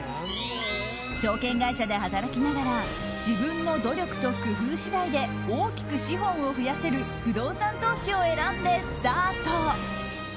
証券会社で働きながら自分の努力と工夫次第で大きく資本を増やせる不動産投資を選んでスタート。